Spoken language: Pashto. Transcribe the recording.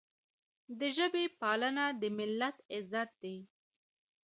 د ژبې پالنه د ملت عزت دی.